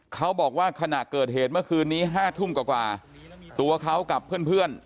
เขาบอกว่าขณะเกิดเหตุเมื่อคืนนี้๕ทุ่มกว่าตัวเขากับเพื่อน